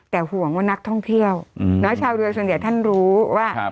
แต่ห่วงว่านักท่องเที่ยวอืมแล้วชาวเรือส่วนใหญ่ท่านรู้ว่า